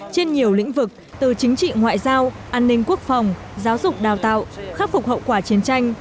trên nhiều lĩnh vực từ chính trị ngoại giao an ninh quốc phòng giáo dục đào tạo khắc phục hậu quả chiến tranh